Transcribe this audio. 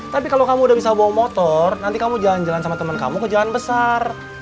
tapi kalau kamu udah bisa bawa motor nanti kamu jalan jalan sama temen kamu ke jalan besar